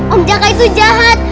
om jaka itu jahat